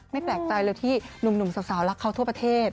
แปลกใจเลยที่หนุ่มสาวรักเขาทั่วประเทศ